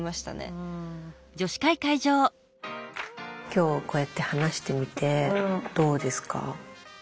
今日こうやって話してみてどうですか？